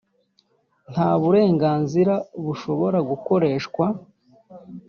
nta burenganzira bushobora gukoreshwa